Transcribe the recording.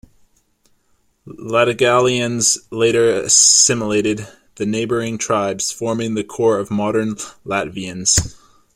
Latgalians later assimilated the neighbouring tribes, forming the core of modern Latvians.